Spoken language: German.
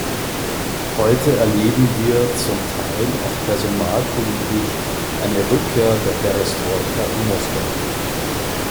Heute erleben wir zum Teil auch personalpolitisch eine Rückkehr der Perestroika in Moskau.